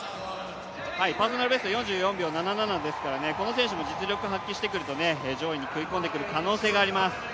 パーソナルベスト４４秒７７ですからね、この選手も実力を発揮してくると上位に食い込んでくる可能性があります。